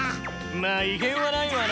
まぁ威厳はないわな。